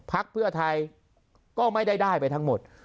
พักเพื่อไทยก็ไม่ได้ได้ไปทั้งหมด